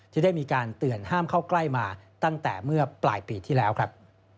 ที่ได้มีการเตือนห้ามเข้าใกล้มาตั้งแต่เมื่อปลายปีที่แล้วครับ